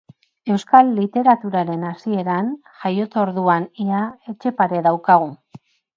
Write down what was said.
Euskal literaturaren hasieran, jaiotorduan ia, Etxepare daukagu.